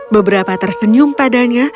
beberapa tersenyum padanya